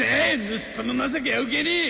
盗っ人の情けは受けねえ！